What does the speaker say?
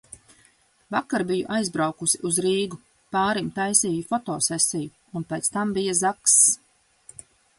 Vakar biju aizbraukusi uz Rīgu. Pārim taisīju fotosesiju un pēc tam bija zakss.